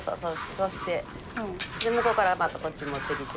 そうして向こうからバッとこっち持ってきて。